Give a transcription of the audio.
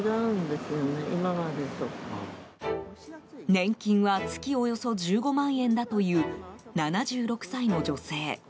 年金は月およそ１５万円だという７６歳の女性。